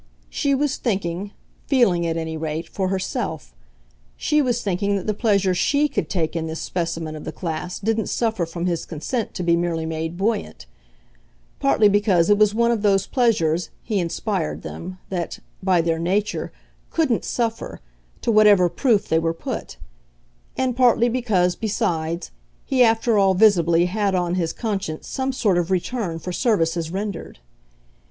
She was thinking, feeling, at any rate, for herself; she was thinking that the pleasure SHE could take in this specimen of the class didn't suffer from his consent to be merely made buoyant: partly because it was one of those pleasures (he inspired them) that, by their nature, COULDN'T suffer, to whatever proof they were put; and partly because, besides, he after all visibly had on his conscience some sort of return for services rendered.